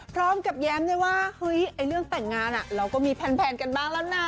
พร้อมกับแย้มได้ว่าเรื่องแต่งงานเราก็มีแผ่นกันบ้างแล้วนะ